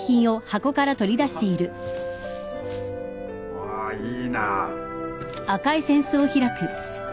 わあいいな。